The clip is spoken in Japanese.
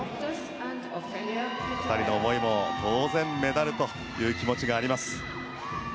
２人の思いも当然メダルという気持ちがあります。